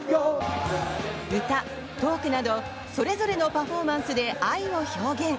歌、トークなどそれぞれのパフォーマンスで愛を表現。